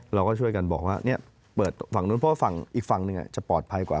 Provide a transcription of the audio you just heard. เราก็ช่วยกันบอกว่าเปิดฝั่งนู้นเพราะว่าฝั่งอีกฝั่งหนึ่งจะปลอดภัยกว่า